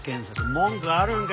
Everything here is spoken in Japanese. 文句あるんか？